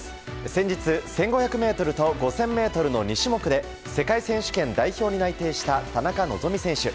先日、１５００ｍと５０００ｍの２種目で世界選手権代表に内定した田中希実選手。